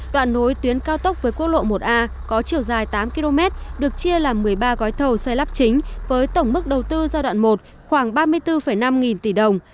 đoạn nối tuyến cao tốc với quốc lộ một a có chiều dài tám km được chia làm một mươi ba gói thầu xe lắp chính với tổng mức đầu tư giai đoạn một khoảng ba mươi bốn năm nghìn tỷ đồng